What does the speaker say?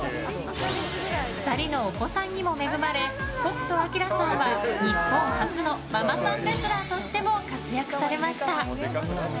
２人のお子さんにも恵まれ北斗晶さんは日本初のママさんレスラーとしても活躍されました。